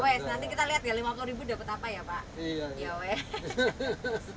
wes nanti kita lihat ya lima puluh ribu dapat apa ya pak